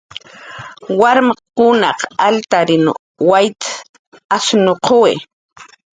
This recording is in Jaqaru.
Warmkunaq altarin wayt asnuquwi